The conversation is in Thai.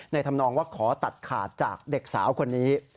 ทำนองว่าขอตัดขาดจากเด็กสาวคนนี้